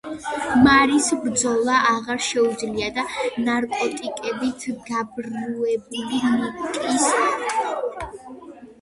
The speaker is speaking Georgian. მარის ბრძოლა აღარ შეუძლია და ნარკოტიკებით გაბრუებული ნიკას მიერ შერჩეული მამაკაცების სურვილებს აკმაყოფილებს.